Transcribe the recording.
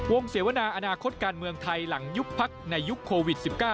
เสวนาอนาคตการเมืองไทยหลังยุบพักในยุคโควิด๑๙